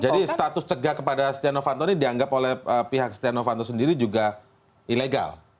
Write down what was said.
jadi status cegah kepada stiano vanto ini dianggap oleh pihak stiano vanto sendiri juga ilegal